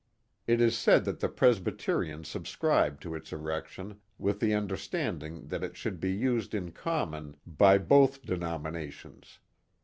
It is said that the Presbyterians subscribed to its erection with the understanding that it should be used in common by Schonowe or Schenectady 73 both denominations.